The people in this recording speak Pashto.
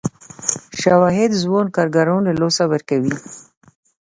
شواهد ځوان کارګران له لاسه ورکړي.